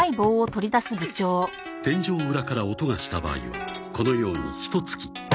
天井裏から音がした場合はこのようにひと突き。